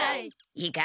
いいか？